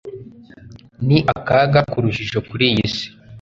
ni akaga k'urujijo kuri iyi isi